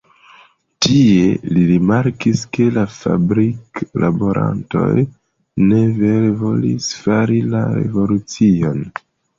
Tie, li rimarkis ke la fabrik-laborantoj ne vere volis fari la revolucion.